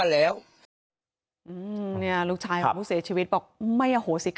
โปรดติดตามตอนต่อไป